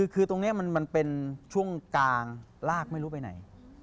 คือตรงนี้มันเป็นช่วงกลางลากไม่รู้ไปไหน